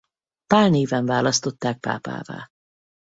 Pál néven választottak pápává.